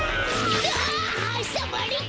あはさまれた！